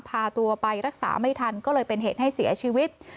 พาตัวไปรักษาไม่ทันก็เลยเป็นเหตุให้เสียชีวิต